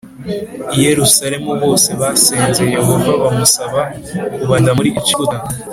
i Yerusalemu bose basenze Yehova bamusaba kubarinda muri Egiputa